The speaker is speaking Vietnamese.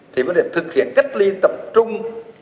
thì mới được thực hiện cách ly tập trung